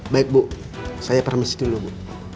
baik bu saya permisi dulu bu